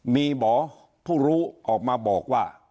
มีหมอผู้รู้ออกมาบอกว่า